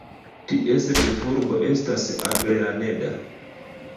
Ties ĉefurbo estas Avellaneda.